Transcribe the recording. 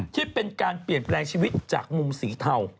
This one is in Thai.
ที่เป็นการเปลี่ยนแปลงชีวิตจากมุมสีเทา